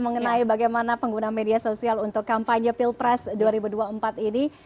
mengenai bagaimana pengguna media sosial untuk kampanye pilpres dua ribu dua puluh empat ini